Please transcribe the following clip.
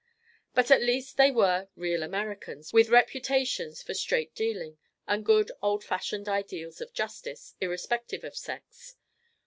But at least they were real Americans, with reputations for straight dealing, and good old fashioned ideals of justice, irrespective of sex.